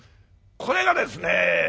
これがですね